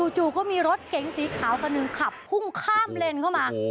จู่ก็มีรถเก๋งสีขาวคนหนึ่งขับพุ่งข้ามเลนเข้ามา